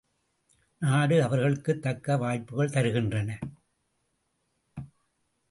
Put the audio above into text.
நாடு அவர்களுக்குத் தக்க வாய்ப்புகள் தருகின்றன.